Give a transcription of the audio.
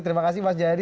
terima kasih mas jaya di